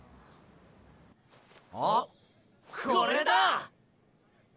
あっこれだ！